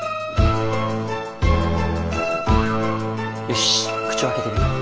よし口を開けてみろ。